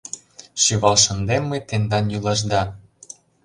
Шӱвал шындем мый тендан йӱлашда!